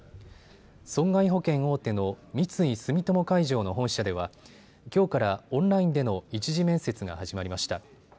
損害保険大手の三井住友海上の本社ではきょうからオンラインでの１次面接が始まりました。